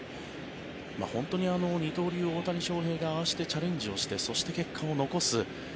本当に二刀流・大谷翔平がああしてチャレンジしてそして、結果を残す。